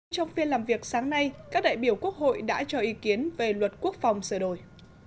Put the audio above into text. trong phiên làm việc sáng nay các đại biểu quốc hội đã cho ý kiến về luật quốc phòng sửa đổi